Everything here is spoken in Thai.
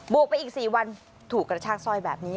วกไปอีก๔วันถูกกระชากสร้อยแบบนี้